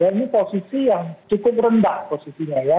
dan termasuk rendah posisinya ya